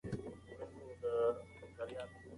ماشوم وویل چې دی غواړي یو ښه ډاکټر سي.